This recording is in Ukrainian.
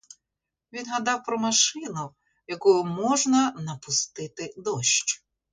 Він гадав про машину, якою можна напустити дощ.